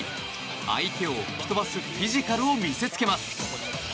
相手を吹き飛ばすフィジカルを見せつけます。